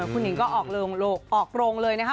คุณหญิงก็ออกโรงเลยนะคะ